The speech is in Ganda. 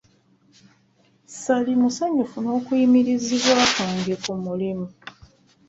Ssaali musanyufu n'okuyimirizibwa kwange ku mulimu.